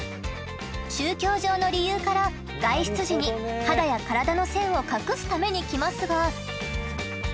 宗教上の理由から外出時に肌や体の線を隠すために着ますが。